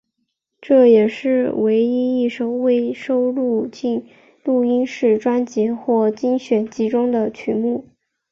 这也是唯一一首未收录进录音室专辑或精选集中的曲目。